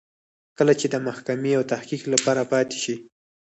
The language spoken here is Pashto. کله چې د محاکمې او تحقیق لپاره پاتې شي.